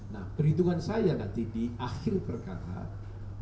nah perhitungan saya nanti di akhir perkataan